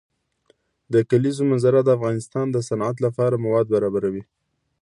د کلیزو منظره د افغانستان د صنعت لپاره مواد برابروي.